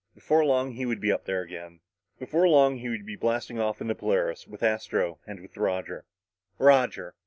Before long he would be up there again. Before long he would be blasting off in the Polaris with Astro and with Roger Roger!